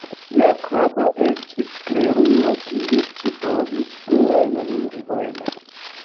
Jakobo estis klerulo kiu scipovis plurajn lingvojn.